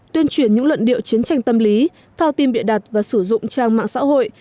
tuyên truyền những luận điệu chiến tranh tâm lý phao tin bịa đặt và sử dụng trang mạng xã hội